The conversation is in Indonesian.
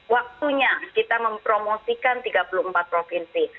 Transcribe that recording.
waktunya kita mempromosikan tiga puluh empat provinsi